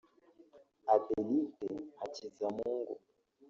Adelite Hakizamungu